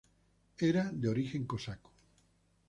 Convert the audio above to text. Era de origen cosaco.